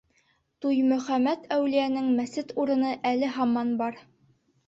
Туймөхәмәт әүлиәнең мәсет урыны әле һаман бар.